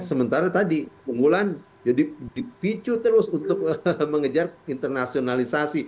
sementara tadi unggulan jadi dipicu terus untuk mengejar internasionalisasi